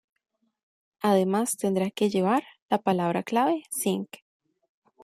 Además, tendrá que llevar la palabra clave "sign".